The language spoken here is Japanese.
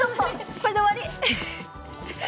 これで終わり。